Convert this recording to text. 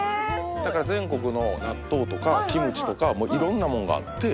だから全国の納豆とかキムチとか色んなもんがあって